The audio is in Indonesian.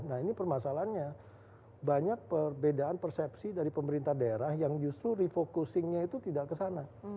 nah ini permasalahannya banyak perbedaan persepsi dari pemerintah daerah yang justru refocusingnya itu tidak ke sana